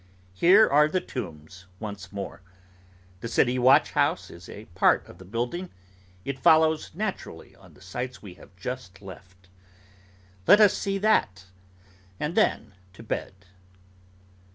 Here are The Tombs once more. The city watch house is a part of the building. It follows naturally on the sights we have just left. Let us see that, and then to bed.